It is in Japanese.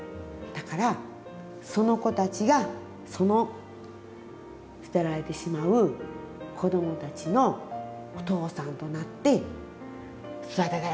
だからその子たちがその捨てられてしまう子どもたちのお父さんとなって育てられたらええなと。